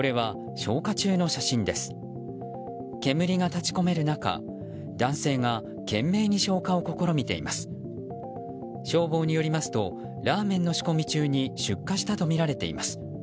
消防によりますとラーメンの仕込み中に出火したとみられています。